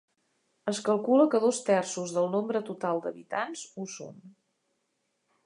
Es calcula que dos terços del nombre total d'habitants ho són.